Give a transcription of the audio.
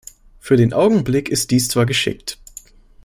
Für den Augenblick ist dies zwar geschickt.